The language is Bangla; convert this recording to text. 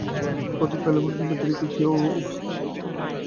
কতিপয় এ্যাংলো-ইণ্ডিয়ান ব্যতিরেকে কেউ কালা আদমীদের ঘৃণা করে না।